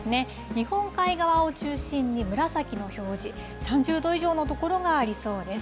日本海側を中心に紫の表示、３０度以上の所がありそうです。